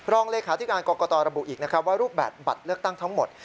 รองเลขาที่การกรกฎาระบุอีกว่ารูปแบบบัตรเลือกตั้งทั้งหมด